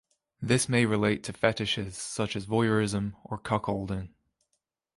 This may relate to fetishes such as voyeurism or cuckolding.